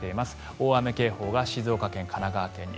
大雨警報が静岡県、神奈川県に。